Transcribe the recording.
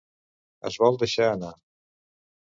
Es vol deixar anar.